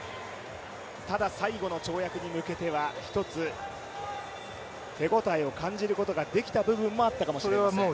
ただ最後の跳躍に向けてはひとつ手応えを感じることができた部分もあったかもしれません。